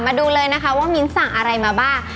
มาดูเลยนะคะว่ามิ้นสั่งอะไรมาบ้าง